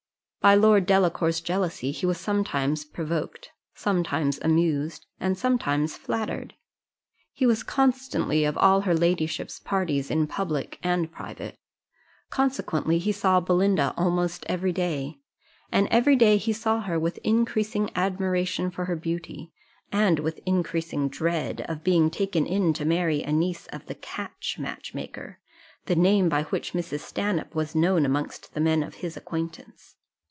By Lord Delacour's jealousy he was sometimes provoked, sometimes amused, and sometimes flattered. He was constantly of all her ladyship's parties in public and private; consequently he saw Belinda almost every day, and every day he saw her with increasing admiration of her beauty, and with increasing dread of being taken in to marry a niece of "the catch match maker," the name by which Mrs. Stanhope was known amongst the men of his acquaintance.